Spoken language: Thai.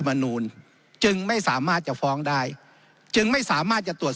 มนูลจึงไม่สามารถจะฟ้องได้จึงไม่สามารถจะตรวจ